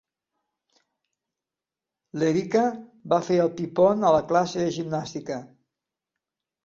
L'Èrika va fer el pi-pont a la classe de gimnàstica.